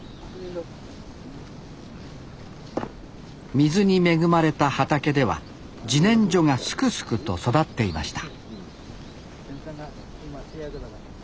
水に恵まれた畑ではじねんじょがすくすくと育っていました